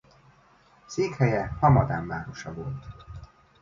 Székhelye Hamadán városa.